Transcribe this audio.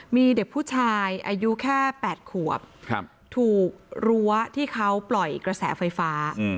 มีเด็กผู้ชายอายุแค่๘ขวบถูกรั้วที่เขาปล่อยกระแสไฟฟ้า